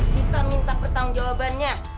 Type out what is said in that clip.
kita minta pertang jawabannya